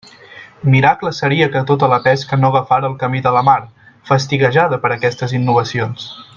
Miracle seria que tota la pesca no agafara el camí de la mar, fastiguejada per aquestes innovacions!